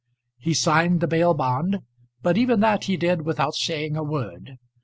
He signed the bail bond, but even that he did without saying a word.